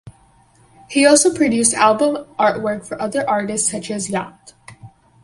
He also produced album artwork for other artists such as Yacht.